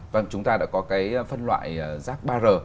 vâng chúng ta đã có cái phân loại rác ba r